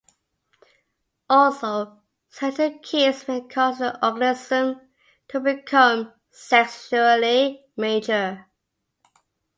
Also, certain cues may cause the organism to become sexually mature.